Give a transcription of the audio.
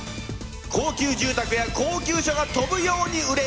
高級住宅や高級車が飛ぶように売れ